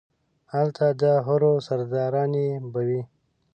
الته ده حورو سرداراني به وي